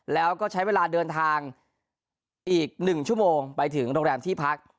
แล้วก็ใช้เวลาเดินทางอีก๑ชั่วโมงไปถึงโรงแรมที่พัก